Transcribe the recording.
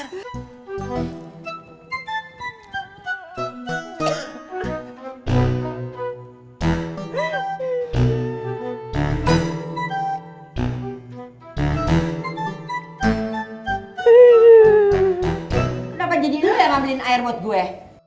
kenapa jadi lu yang ambilin air buat gue